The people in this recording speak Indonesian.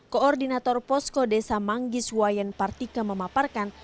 koordinator posko desa manggis wayan partika memaparkan